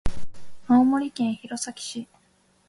青森県弘前市